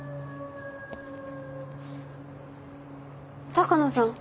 鷹野さん？